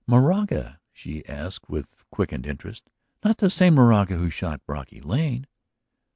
"Moraga?" she asked with quickened interest. "Not the same Moraga who shot Brocky Lane?"